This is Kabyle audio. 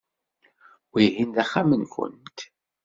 Wihin d axxam-nwent.